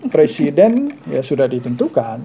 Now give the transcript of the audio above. presiden ya sudah ditentukan